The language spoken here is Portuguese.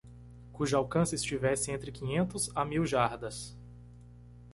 cujo alcance estivesse entre quinhentos a mil jardas.